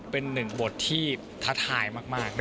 เป็นหนึ่งบทที่ท้าทายมาก